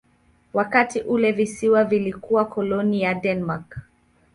Wakati ule visiwa vilikuwa koloni ya Denmark.